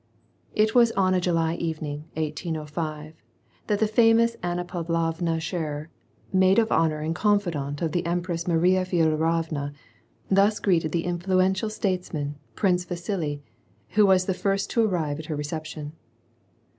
It was on a July evening, 1805, that the famous Anna Pavlovna Scherer, maid of honor and confidant of the Em press Maria Feodorovna, thus greeted the influential states man, Prince Vasili, who was the first to arrive at her recep tion.